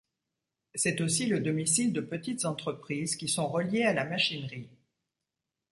C'est aussi le domicile de petites entreprises qui sont reliées à la machinerie.